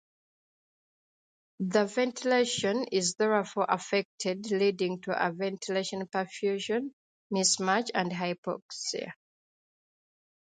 The ventilation is therefore affected leading to a ventilation perfusion mismatch and hypoxia.